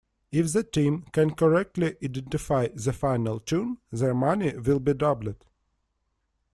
If the team can correctly identify the final tune, their money will be doubled.